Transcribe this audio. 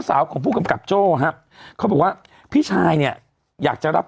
สาวของผู้กำกับโจ้ครับเขาบอกว่าพี่ชายเนี่ยอยากจะรับ